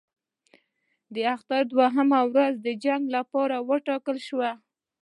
د اختر دوهمه ورځ د جنګ لپاره وټاکل شوه.